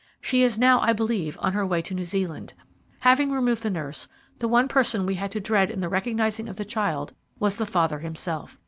She is now, I believe, on her way to New Zealand. Having removed the nurse, the one person we had to dread in the recognizing of the child was the father himself.